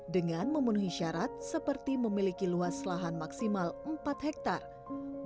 dengan memenuhi syarat seperti memiliki luas lahan maksimal empat hektare